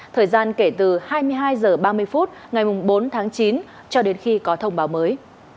thời gian kể từ hai mươi hai h ba mươi phút ngày bốn tháng chín cho đến khi có thông báo mới